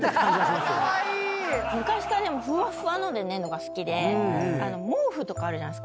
昔からふわっふわので寝るのが好きで毛布とかあるじゃない。